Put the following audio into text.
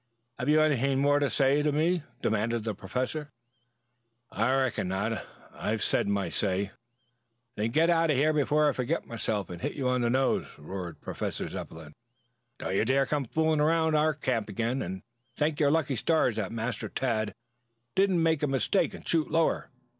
Have you anything more to say to me?" demanded the Professor. "I reckon not. I've said my say." "Then get out before I forget myself and hit you on the nose!" roared Professor Zepplin. "Don't you dare come fooling around our camp again, and thank your lucky stars that Master Tad didn't make a mistake and shoot lower.